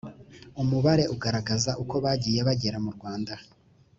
umubare ugaragaza uko bagiye bagera mu rwanda.